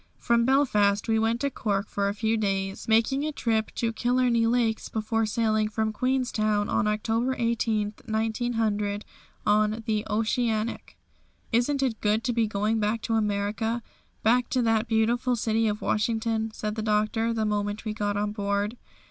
From Belfast we went to Cork for a few days, making a trip to the Killarney lakes before sailing from Queenstown on October 18, 1900, on the "Oceanic." "Isn't it good to be going back to America, back to that beautiful city of Washington," said the Doctor, the moment we got on board.